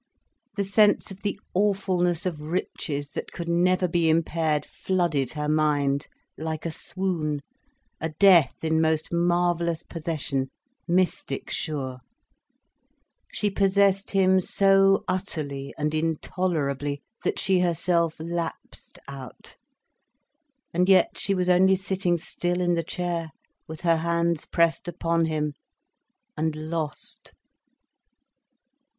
The sense of the awfulness of riches that could never be impaired flooded her mind like a swoon, a death in most marvellous possession, mystic sure. She possessed him so utterly and intolerably, that she herself lapsed out. And yet she was only sitting still in the chair, with her hands pressed upon him, and lost.